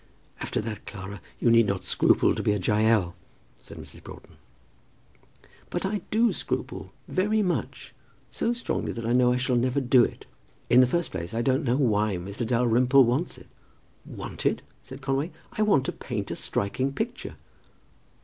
"After that, Clara, you need not scruple to be a Jael," said Mrs. Broughton. "But I do scruple, very much; so strongly that I know I never shall do it. In the first place I don't know why Mr. Dalrymple wants it." "Want it!" said Conway. "I want to paint a striking picture."